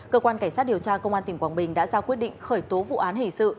cơ quan cảnh sát điều tra công an tỉnh quảng bình đã ra quyết định khởi tố vụ án hình sự